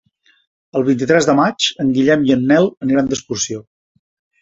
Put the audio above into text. El vint-i-tres de maig en Guillem i en Nel aniran d'excursió.